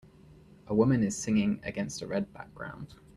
A woman is singing against a red background.